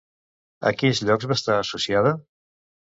A quins llocs va estar associada?